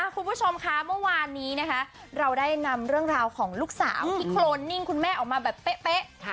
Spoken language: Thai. คุณผู้ชมคะเมื่อวานนี้นะคะเราได้นำเรื่องราวของลูกสาวที่โครนนิ่งคุณแม่ออกมาแบบเป๊ะ